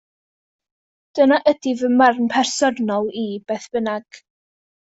Dyna ydy fy marn personol i beth bynnag.